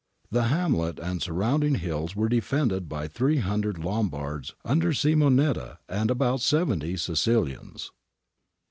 The hamlet and surrounding hills were defended by 300 Lombards under Simonetta and about seventy Sicilians.